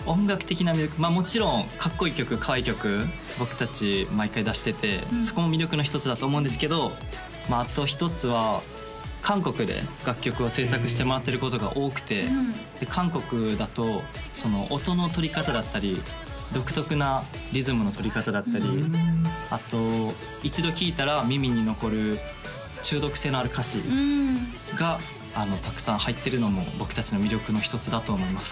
もちろんかっこいい曲かわいい曲僕達毎回出しててそこも魅力の一つだと思うんですけどあと一つは韓国で楽曲を制作してもらってることが多くて韓国だと音の取り方だったり独特なリズムの取り方だったりあと一度聴いたら耳に残る中毒性のある歌詞がたくさん入ってるのも僕達の魅力の一つだと思います